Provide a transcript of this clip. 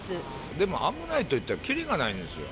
でも危ないといったらきりがないんですよ。